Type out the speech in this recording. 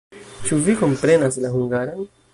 Ĉu vi komprenas la hungaran?